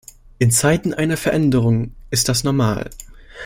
In Zeiten einer Veränderung ist das normal.